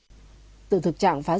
từ thực trạng phòng chống và chấn áp